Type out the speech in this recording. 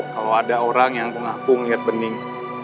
kalau ada orang yang mengaku ngeliat bening